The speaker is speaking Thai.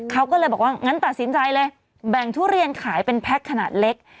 เขาก็เลยบอกว่างั้นตัดสินใจเลยแบ่งทุเรียนขายเป็นแพ็คขนาดเล็ก